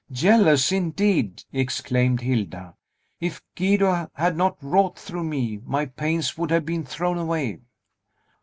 "Jealous, indeed!" exclaimed Hilda. "If Guido had not wrought through me, my pains would have been thrown away."